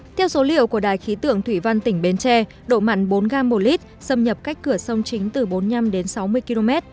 theo số liệu của đài khí tượng thủy văn tỉnh bến tre độ mặn bốn gram một lit xâm nhập cách cửa sông chính từ bốn mươi năm đến sáu mươi km